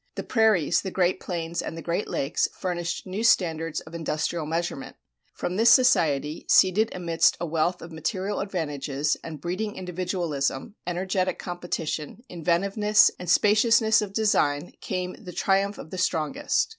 The Prairies, the Great Plains, and the Great Lakes furnished new standards of industrial measurement. From this society, seated amidst a wealth of material advantages, and breeding individualism, energetic competition, inventiveness, and spaciousness of design, came the triumph of the strongest.